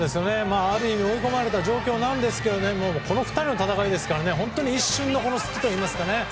ある意味追い込まれた状況なんですけどこの２人の戦いですから本当に一瞬の隙といいますかね